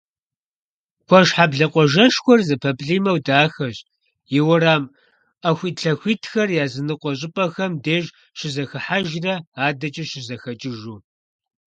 Куэшхьэблэ къуажэшхуэр зэпэплIимэу дахэщ, и уэрам Iэхуитлъэхуитхэр языныкъуэ щIыпIэхэм деж щызэхыхьэжрэ адэкIэ щызэхэкIыжу.